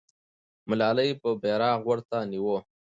ملالۍ به بیرغ ورته نیوه.